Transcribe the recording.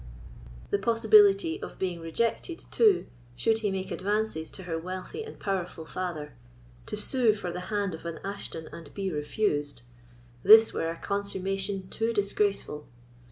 The possibility of being rejected, too, should he make advances to her wealthy and powerful father—to sue for the hand of an Ashton and be refused—this were a consummation too disgraceful.